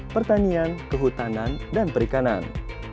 pertanian kehutanan dan perikanan